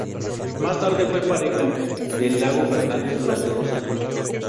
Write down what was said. Más tarde fue pareja de Iago Fernández durante dos años.